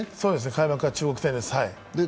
開幕は中国戦です。